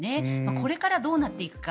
これからどうなっていくか